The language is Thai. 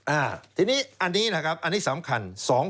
อ่าทีนี้อันนี้แหละครับอันนี้สำคัญ